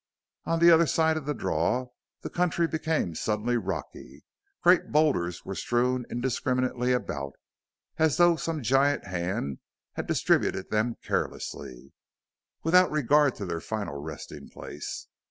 On the other side of the draw the country became suddenly rocky; great boulders were strewn indiscriminately about, as though some giant hand had distributed them carelessly, without regard to their final resting place.